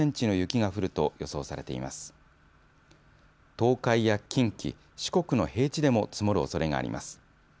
東海や近畿、四国の平地でも積もるおそれがあります。